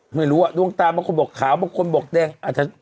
ไม่รู้อ่ะดวงตาบางคนบอกขาวบางคนบอกแดงอาจจะ